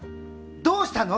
どうしたの？